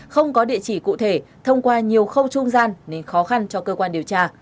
không có địa chỉ cụ thể thông qua nhiều khâu trung gian nên khó khăn cho cơ quan điều tra